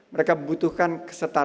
mereka butuhkan kesetaraan